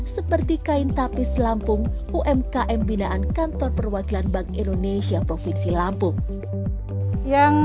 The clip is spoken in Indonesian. seperti kain tapis lampung umkm binaan kantor perwakilan bank indonesia provinsi lampung yang